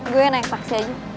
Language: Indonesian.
gue yang naik taksi aja